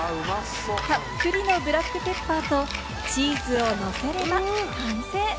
たっぷりのブラックペッパーとチーズをのせれば完成！